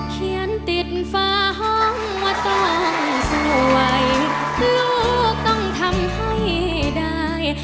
เขียนติดฟ้าห้องว่าต้องสวยคือลูกต้องทำให้ได้